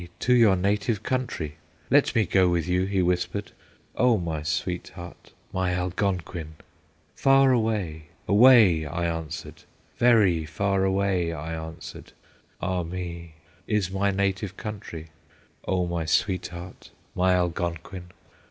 to your native country; Let me go with you,' he whispered, 'O my sweetheart, my Algonquin!' 'Far away, away,' I answered, 'Very far away,' I answered, 'Ah me! is my native country, O my sweetheart, my Algonquin!